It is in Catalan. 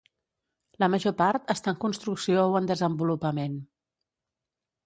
La major part està en construcció o en desenvolupament.